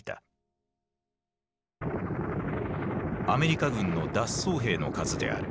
アメリカ軍の脱走兵の数である。